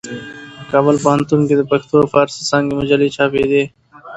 په کابل پوهنتون کې د پښتو او فارسي څانګې مجلې چاپېدې.